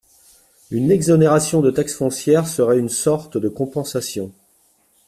Une exonération de taxe foncière serait une sorte de compensation.